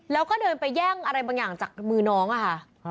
แล้วก็เดินไปแย่งอะไรบางอย่างจากมือน้องอะค่ะ